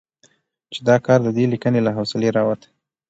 چې دا کار د دې ليکنې له حوصلې راوتې